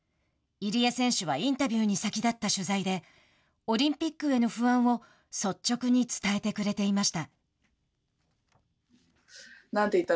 入江選手はインタビューに先立った取材でオリンピックへの不安を率直に伝えてくれていました。